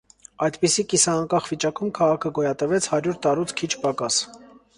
Այդպիսի կիսաանկախ վիճակում քաղաքը գոյատևեց հարյուր տարուց քիչ պակաս։